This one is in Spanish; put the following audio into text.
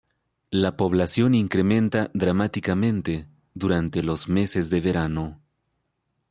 La población incrementa dramáticamente durante los meses de verano.